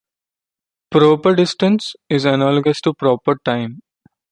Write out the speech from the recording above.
"Proper distance" is analogous to proper time.